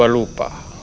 kami berdua lupa